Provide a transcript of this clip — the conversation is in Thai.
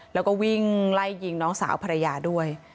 แล้วก็วิ่งไล่ยิงน้องสาวภรรยาด้วย